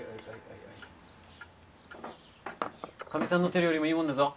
かみさんの手料理もいいもんだぞ。